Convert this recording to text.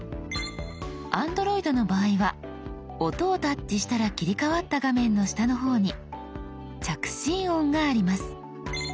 Ａｎｄｒｏｉｄの場合は「音」をタッチしたら切り替わった画面の下の方に「着信音」があります。